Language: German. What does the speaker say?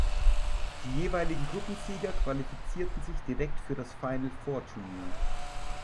Die jeweiligen Gruppensieger qualifizierten sich direkt für das Final-Four-Turnier.